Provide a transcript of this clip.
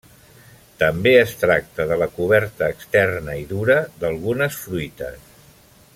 També es tracta de la coberta externa i dura d'algunes fruites.